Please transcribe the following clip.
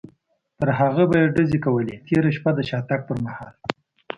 پر هغه به یې ډزې کولې، تېره شپه د شاتګ پر مهال.